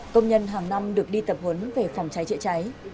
công nhân hàng năm được đi tập huấn về phòng cháy chữa cháy